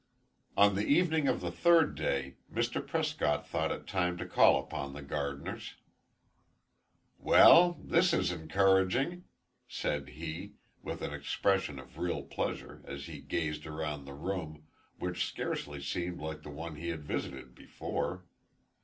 On the evening of the third day, Mr. Prescott thought it time to call upon the Gardiners. "Well this is encouraging!" said he, with an expression of real pleasure, as he gazed around the room, which scarcely seemed like the one he had visited before.